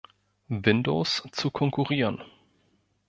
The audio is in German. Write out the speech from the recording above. Windows zu konkurrieren.